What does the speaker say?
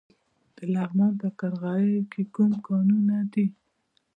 د لغمان په قرغیو کې کوم کانونه دي؟